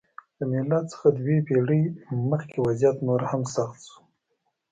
له میلاد څخه دوه پېړۍ مخکې وضعیت نور هم سخت شو.